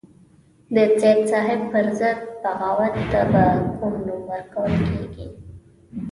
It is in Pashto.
د سید صاحب پر ضد بغاوت ته به کوم نوم ورکول کېږي.